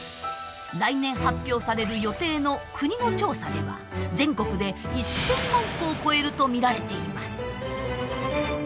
来年発表される予定の国の調査では全国で１，０００万戸を超えると見られています。